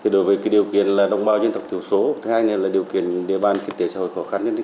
đối với điều kiện đồng bào dân tộc thiếu số điều kiện đề bàn kinh tế xã hội khó khăn